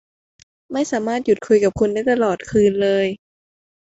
ไม่สามารถหยุดคุยกับคุณได้ตลอดคืนเลย